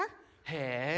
へえ。